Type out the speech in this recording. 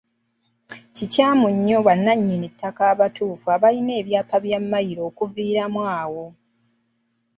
Kikyamu bannannyini ttaka abatuufu abalina ebyapa bya Mmayiro okuviiramu awo.